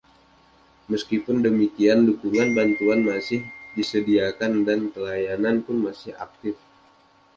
Meskipun demikian dukungan bantuan masih disediakan dan pelayanan pun masih aktif.